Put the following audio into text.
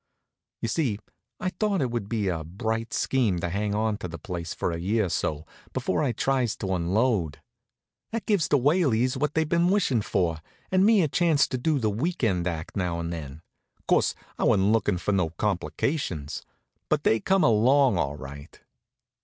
You see, I thought it would be a bright scheme to hang onto the place for a year or so, before I tries to unload. That gives the Whaleys what they've been wishin' for, and me a chance to do the weekend act now and then. Course, I wa'n't lookin' for no complications. But they come along, all right.